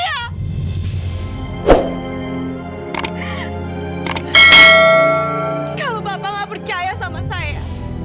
kalau bapak nggak percaya sama saya